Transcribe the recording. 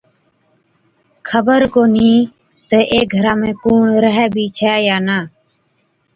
خبر ڪونهِي تہ اي گھرا ۾ ڪُوڻ ريهَي بِي ڇَي يان نہ۔